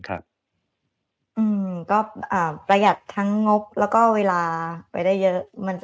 ก็ประหยัดทั้งงบแล้วก็เวลาไปได้เยอะ